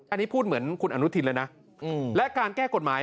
อันนี้พูดเหมือนคุณอนุทินเลยนะและการแก้กฎหมาย